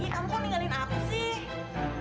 kamu kok ninggalin aku sih